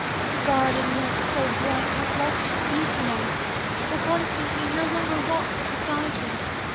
The garden once so bright hath lost its beauty now, for Constantine no longer walks beside me.